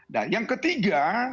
nah yang ketiga